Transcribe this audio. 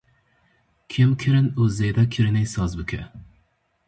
Kêmkirin û zêdekirinê saz bike.